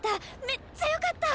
めっちゃ良かった！